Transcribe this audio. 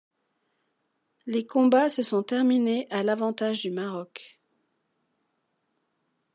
Les combats se sont terminés à l'avantage du Maroc.